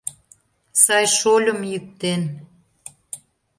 Сай шольым йӱктен